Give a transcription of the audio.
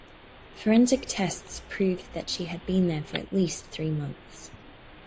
Forensic tests proved that she had been there for at least three months.